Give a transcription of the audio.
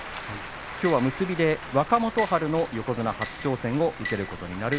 きょうは結びで若元春の横綱初挑戦を受けます。